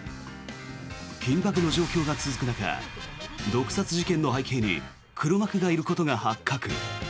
緊迫の状況が続く中毒殺事件の背景に黒幕がいることが発覚。